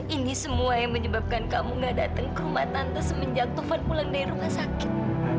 ini semua yang menyebabkan kamu gak datang ke rumah tante semenjak tuhan pulang dari rumah sakit